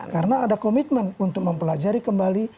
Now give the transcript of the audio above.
karena ada komitmen untuk mempelajari kembali